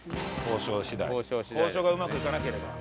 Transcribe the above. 交渉がうまくいかなければ。